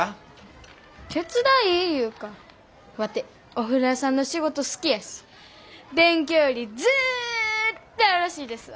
手伝いいうかワテお風呂屋さんの仕事好きやし。勉強よりずっとよろしいですわ。